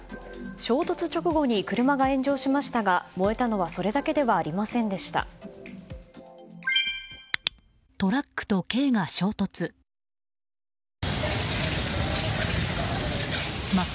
衝突直後に車が炎上しましたが燃えたのはそれだけではありませんでした。